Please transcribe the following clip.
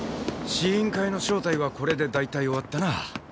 試飲会の招待はこれで大体終わったな。